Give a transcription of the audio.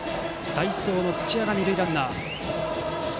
代走の土屋が二塁ランナー。